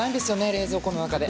冷蔵庫の中で。